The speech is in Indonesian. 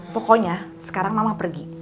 pokoknya sekarang mama pergi